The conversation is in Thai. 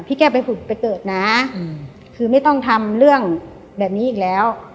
แก้ไปผุดไปเกิดนะคือไม่ต้องทำเรื่องแบบนี้อีกแล้ว